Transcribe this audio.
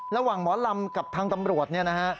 ระหว่างหมอลำกับทางตำรวจเนี่ยนะฮะ